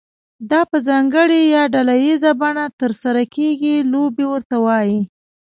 دا په ځانګړې یا ډله ییزه بڼه ترسره کیږي لوبې ورته وایي.